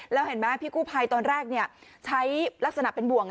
แล้วเห็นไหมพี่กู้ภัยตอนแรกใช้ลักษณะเป็นบ่วง